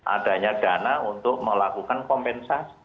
adanya dana untuk melakukan kompensasi